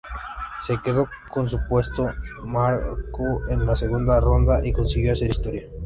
Se quedó con su puesto, marcó en la segunda ronda y consiguió hacer historia.